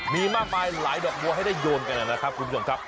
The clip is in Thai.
มีมากมายหลายดอกบัวให้ได้โยนกันนะครับคุณผู้ชมครับ